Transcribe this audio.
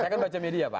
saya kan baca media pak